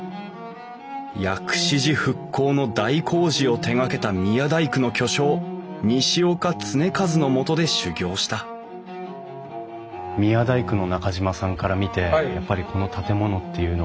薬師寺復興の大工事を手がけた宮大工の巨匠西岡常一のもとで修業した宮大工の中島さんから見てやっぱりこの建物っていうのは。